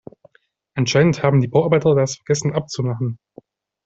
Anscheinend haben die Bauarbeiter das vergessen abzumachen.